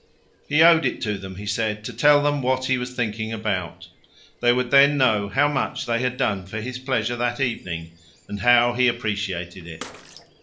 He owed it to them, he said, to tell them what he was thinking about; they would then know how much they had done for his pleasure that evening and how he appreciated it.